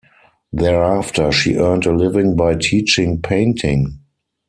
Thereafter, she earned a living by teaching painting.